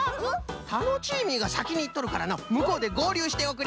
タノチーミーがさきにいっとるからのうむこうでごうりゅうしておくれ。